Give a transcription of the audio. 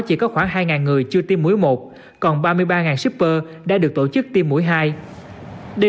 chỉ có khoảng hai người chưa tiêm muối một còn ba mươi ba shipper đã được tổ chức tiêm mũi hai đây